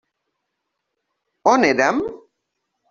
On érem?